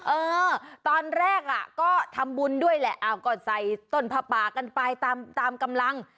เออตอนแรกก็ทำบุญด้วยแหละเอาก่อนใส่ต้นพระป่ากันไปตามกำลัง